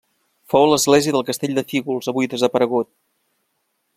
Fou l'església del castell de Fígols avui desaparegut.